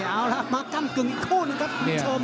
เอาล่ะมาก้ำกึ่งอีกคู่หนึ่งครับคุณผู้ชม